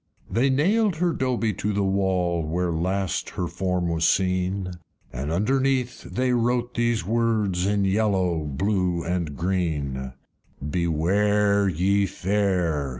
They nailed her Dobie to the wall, Where last her form was seen, And underneath they wrote these words, In yellow, blue, and green: "Beware, ye Fair!